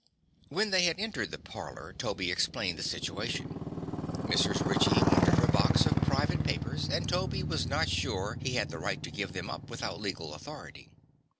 When they had entered the parlor Toby explained the situation. Mrs. Ritchie wanted her box of private papers and Toby was not sure he had the right to give them up without legal authority.